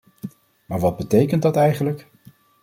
Maar wat betekent dat eigenlijk?